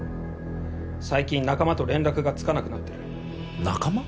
最近仲間と連絡がつかなくなってる仲間？